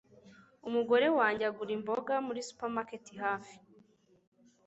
Umugore wanjye agura imboga muri supermarket hafi.